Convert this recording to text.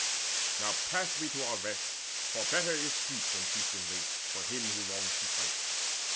Now pass we to our rest; for better is sleep Than feasting late, for him who longs to fight."